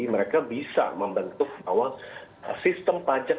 mereka bisa membentuk bahwa sistem pajak